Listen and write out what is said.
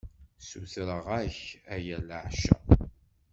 Ssutreɣ-ak aya leɛca.